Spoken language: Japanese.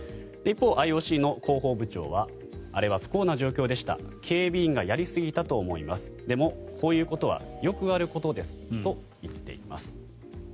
一方、ＩＯＣの広報部長はあれは不幸な状況でした警備員がやりすぎたと思いますでも、こういうことはよくあることですと言っています。